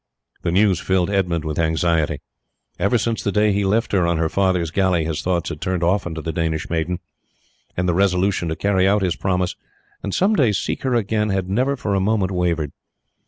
The news filled Edmund with anxiety. Ever since the day he left her on her father's galley his thoughts had turned often to the Danish maiden, and the resolution to carry out his promise and some day seek her again had never for a moment wavered.